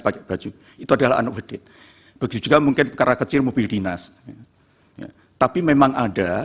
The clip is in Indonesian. pakai baju itu adalah unnover date begitu juga mungkin karena kecil mobil dinas tapi memang ada